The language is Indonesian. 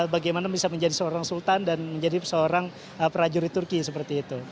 bagaimana bisa menjadi seorang sultan dan menjadi seorang prajurit turki seperti itu